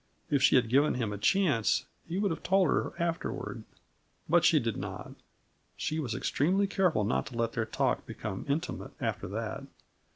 If she had given him a chance, he would have told her afterward; but she did not. She was extremely careful not to let their talk become intimate, after that.